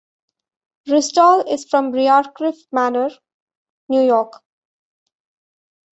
Ryssdal is from Briarcliff Manor, New York.